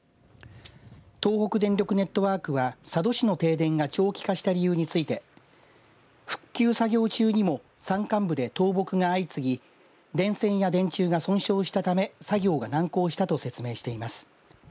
東北電力ネットワークは佐渡市の停電が長期化した理由について復旧作業中にも山間部で倒木が相次ぎ電線や電柱が損傷したため作業が難航したと説明しています。